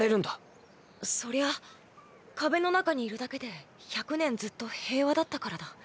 そりゃ壁の中にいるだけで１００年ずっと平和だったからだ。